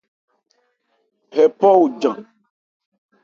Hɛ phɔ ojan.